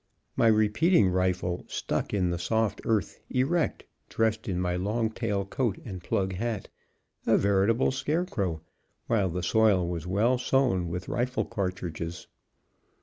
My repeating rifle stuck in the soft earth erect, dressed in my long tail coat and plug hat, a veritable scarecrow, while the soil was well sown with rifle cartridges.